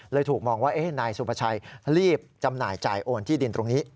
ถูกมองว่านายสุภาชัยรีบจำหน่ายจ่ายโอนที่ดินตรงนี้